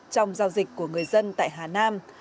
trong giao dịch của người dân tại hà nam